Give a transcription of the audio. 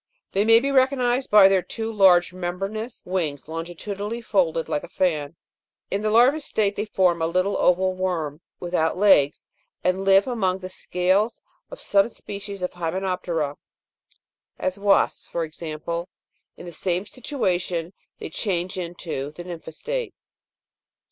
They may be recognised by their two large membranous wings, longitudinally folded like a fan. In the larva state they form a little oval worm, without legs, and live among the scales of some species of Hymenop'terse, as wasps, for example ; in the same situation they change into the nympha state.